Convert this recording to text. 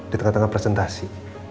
di tengah tengah presentasi